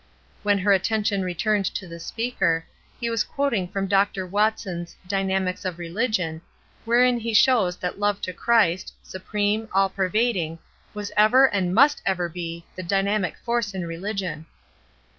When her attention returned to the speaker, he was quoting from Dr. Watson's ^' Dynamics of Rehgion," wherein he shows that love to Christ, supreme, all pervading, was ever and must ever be the dynamic force in religion.